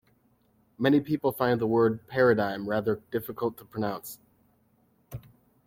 Many people find the word paradigm rather difficult to pronounce